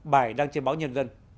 bài đăng trên báo nhân dân